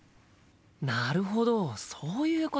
なるほどそういうことか。